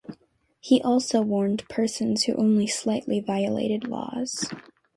He also warned persons who only slightly violated laws.